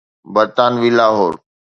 برطانوي لاهور.